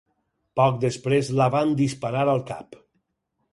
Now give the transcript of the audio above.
Poc després, la van disparar al cap.